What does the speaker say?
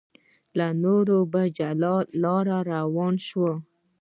له نورو په جلا لار روان شول.